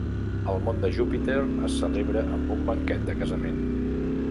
El món de Jupiter es celebra amb un banquet de casament.